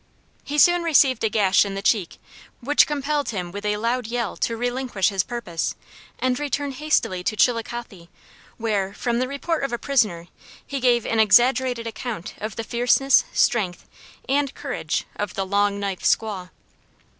He soon received a gash in the cheek which compelled him with a loud yell to relinquish his purpose, and return hastily to Chillicothe, where, from the report of a prisoner, he gave an exaggerated account of the fierceness, strength, and courage of the "Long knife squaw!"